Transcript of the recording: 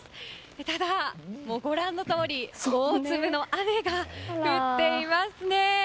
ただ、ご覧のとおり大粒の雨が降っていますね。